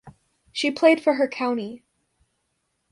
She played for her county.